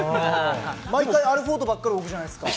毎回アルフォートばっかり置くじゃないですか。